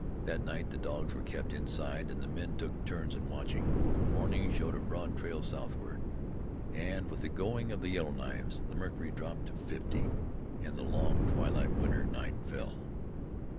That night the dogs were kept inside, and the men took turns in watching. Morning showed a broad trail southward. And with the going of the Yellow Knives the mercury dropped to fifty, and the long, twilight winter night fell.